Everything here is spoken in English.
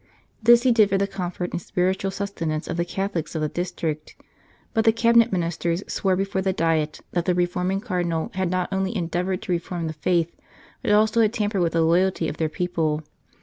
This he did for the comfort and spiritual sustenance of the Catholics of the district, but the Cabinet Ministers swore before the Diet that the reforming Cardinal had not only endeavoured to reform the Faith, but had also tampered with the loyalty of their people.